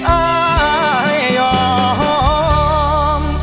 อ้ายยอม